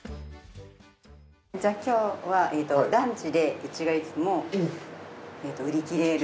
今日はランチでうちがいつも売り切れる。